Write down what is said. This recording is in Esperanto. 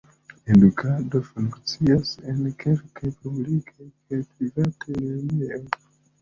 Edukado funkcias en kelkaj publikaj kaj privataj lernejoj.